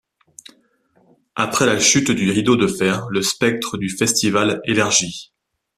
Après la chute du rideau de fer, le spectre du festival élargi.